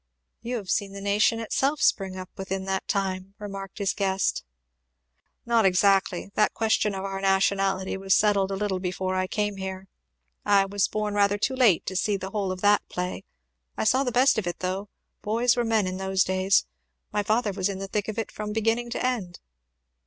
"You have seen the nation itself spring up within that time," remarked his guest. "Not exactly that question of our nationality was settled a little before I came here. I was born rather too late to see the whole of that play I saw the best of it though boys were men in those days. My father was in the thick of it from beginning to end."